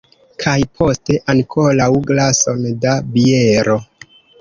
Kaj poste ankoraŭ glason da biero!